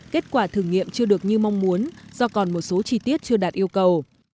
kết quả thử nghiệm chưa được như mong muốn do còn một số chi tiết chưa đạt yêu cầu